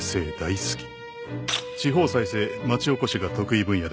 地方再生町おこしが得意分野だ。